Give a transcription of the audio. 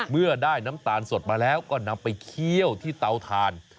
เมื่อได้น้ำตาลสดมาแล้วก็นำไปเคี่ยวที่เตาถ่าน